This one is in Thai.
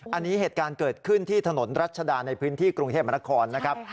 อันนี้เหตุการณ์เกิดขึ้นที่ถนนรัชดาในพื้นที่กรุงเทพมนครนะครับ